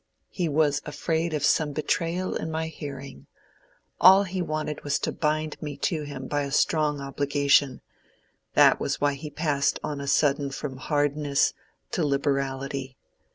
"He was afraid of some betrayal in my hearing: all he wanted was to bind me to him by a strong obligation: that was why he passed on a sudden from hardness to liberality.